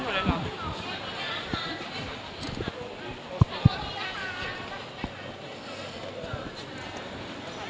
สวัสดีครับ